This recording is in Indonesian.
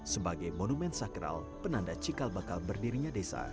sebagai monumen sakral penanda cikal bakal berdirinya desa